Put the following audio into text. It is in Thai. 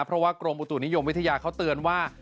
เพราะว่ากรมอุตุนิยมวิทยาเขาเตือนว่า